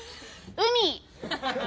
海！